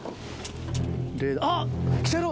あっきてる！